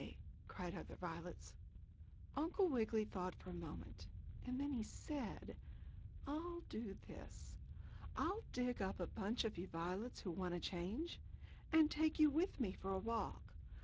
cried other violets. Uncle Wiggily thought for a minute, and then he said: "I'll do this. I'll dig up a bunch of you violets, who want a change, and take you with me for a walk.